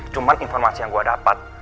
cuma informasi yang gue dapat